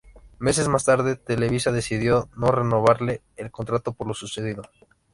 Meses más tarde, Televisa decidió no renovarle el contrato por lo sucedido.